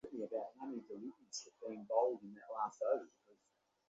সাগর স্বাভাবিক না থাকায় লাইটার জাহাজগুলো ফরচুন বার্ডের কাছে যেতে পারছিল না।